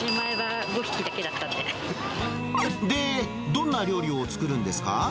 で、どんな料理を作るんですか。